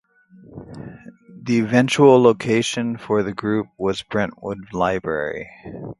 The eventual location for the group was Brentwood Library.